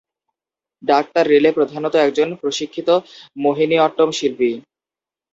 Doctor Rele প্রধানত একজন প্রশিক্ষিত মোহিনীঅট্টম শিল্পী।